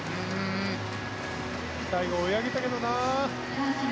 最後、追い上げたけどな。